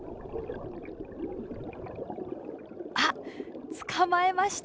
あっ捕まえました。